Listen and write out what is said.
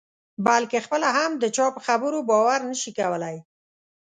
بلکې خپله هم د چا په خبرو باور نه شي کولای.